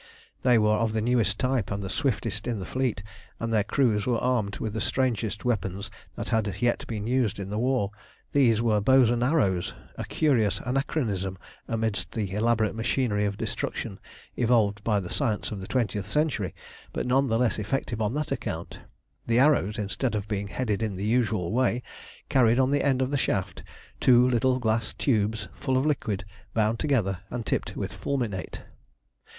They were of the newest type and the swiftest in the fleet, and their crews were armed with the strangest weapons that had yet been used in the war. These were bows and arrows, a curious anachronism amidst the elaborate machinery of destruction evolved by the science of the twentieth century, but none the less effective on that account. The arrows, instead of being headed in the usual way, carried on the end of the shaft two little glass tubes full of liquid, bound together, and tipped with fulminate.